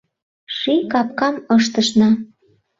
Ший капкам ыштышна